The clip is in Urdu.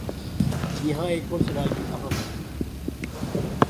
یہاں ایک اور سوال بھی اہم ہے۔